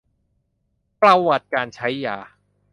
ประวัติการใช้ยา